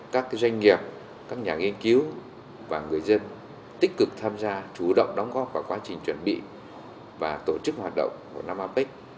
các doanh nghiệp các nhà nghiên cứu và người dân tích cực tham gia chủ động đóng góp vào quá trình chuẩn bị và tổ chức hoạt động của năm apec